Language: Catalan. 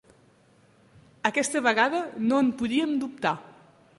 Aquesta vegada no en podíem dubtar